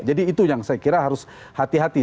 jadi itu yang saya kira harus hati hati